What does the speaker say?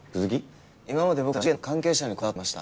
今まで僕たちは事件の関係者にこだわっていました。